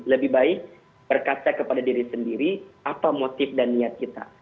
lebih baik berkata kepada diri sendiri apa motif dan niat kita